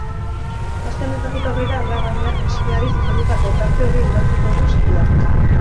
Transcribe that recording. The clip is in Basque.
Aste honetatik aurrera, alabaina, eskiari zuzendutako tarte hori indartuko du saioak.